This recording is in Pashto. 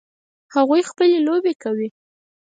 هغوی خپلې لوبې کوي